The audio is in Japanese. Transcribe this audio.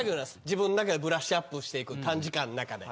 自分の中でブラッシュアップしていく短時間の中で。